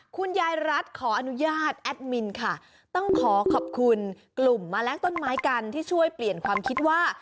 คุณยายรัฐขออนุญาตแอดมินค่ะต้องขอขอบคุณกลุ่มแมลงต้นไม้กันที่ช่วยเปลี่ยนความคิดว่า